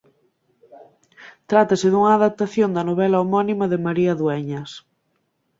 Trátase dunha adaptación da novela homónima de María Dueñas.